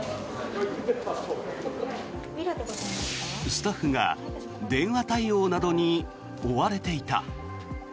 スタッフが電話対応などに追われていた。